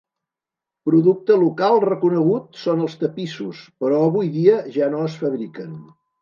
Producte local reconegut són els tapissos però avui dia ja no es fabriquen.